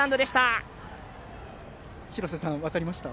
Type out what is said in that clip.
廣瀬さん、分かりました？